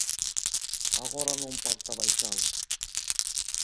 Agora non pacta baixalo.